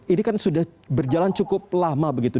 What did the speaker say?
ini kan sudah berjalan cukup lama begitu